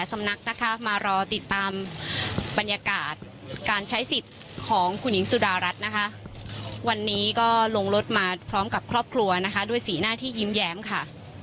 สำนักนะคะมารอติดตามบรรยากาศการใช้สิทธิ์ของคุณหญิงสุดารัฐนะคะวันนี้ก็ลงรถมาพร้อมกับครอบครัวนะคะด้วยสีหน้าที่ยิ้มแย้มค่ะ